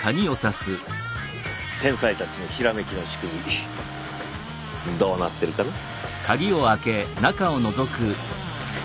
天才たちのひらめきの仕組みどうなってるかな？